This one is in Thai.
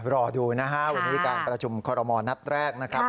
รอดูนะฮะวันนี้การประชุมคอรมณ์นัดแรกนะครับ